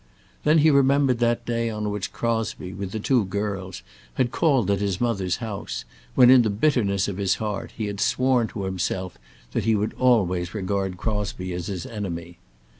Then he remembered that day on which Crosbie, with the two girls, had called at his mother's house, when in the bitterness of his heart, he had sworn to himself that he would always regard Crosbie as his enemy.